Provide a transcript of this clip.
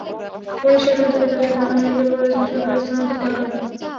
পরে সেখান থেকে তাঁকে ঢাকা মেডিকেল কলেজ হাসপাতালে স্থানান্তর করা হয়।